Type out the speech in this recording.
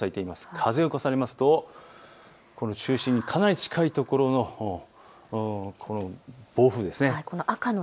風を重ねますとこの中心にかなり近いところ、暴風ですね。